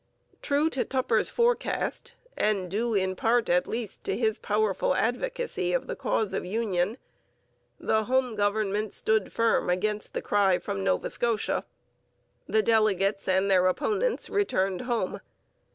True to Tupper's forecast, and due in part, at least, to his powerful advocacy of the cause of union, the home government stood firm against the cry from Nova Scotia. The delegates and their opponents returned home.